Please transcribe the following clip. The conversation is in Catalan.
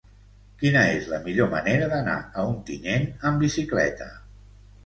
Quina és la millor manera d'anar a Ontinyent amb bicicleta?